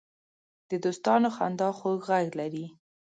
د دوستانو خندا خوږ غږ لري